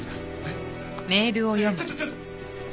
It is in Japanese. いやちょっとちょっと！